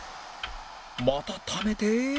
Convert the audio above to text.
またためて